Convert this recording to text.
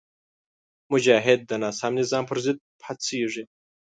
مجاهد د ناسم نظام پر ضد پاڅېږي.